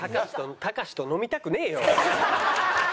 たかしと飲みたくねえよ。